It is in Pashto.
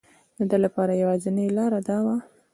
ده لپاره یوازینی لاره دا وه.